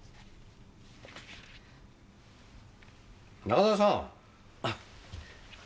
中澤さん。